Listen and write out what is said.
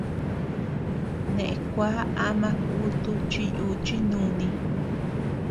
Neʼe kua ama kutu chi yuchi núni.